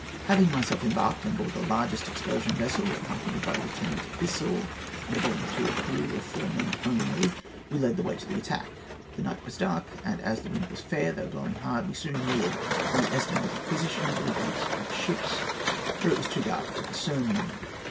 "Having myself embarked on board the largest explosion vessel, accompanied by Lieut. Bissel and a volunteer crew of four men only, we led the way to the attack. The night was dark, and, as the wind was fair, though blowing hard, we soon neared the estimated position of the advanced French ships, for it was too dark to discern them.